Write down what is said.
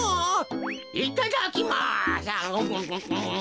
いただきます。